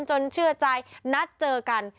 เชื่อใจนัดเจอกัน